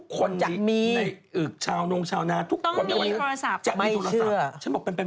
ใครต้องเข้าซ่อมให้แบบ